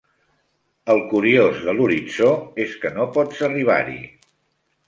El curiós de l'horitzó és que no pots arribar-hi.